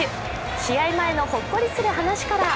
試合前のほっこりする話から。